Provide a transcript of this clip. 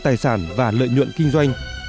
tài sản và lợi nhuận kinh doanh